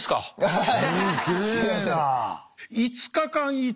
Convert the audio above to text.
はい。